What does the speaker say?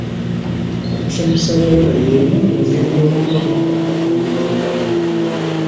Okusomesa abawala y'emu ku ngeri y'okukomya okufumbirwa amangu.